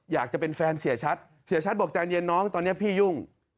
อยากจะเป็นแฟนเสียชัดเสียชัดบอกใจเย็นน้องตอนนี้พี่ยุ่ง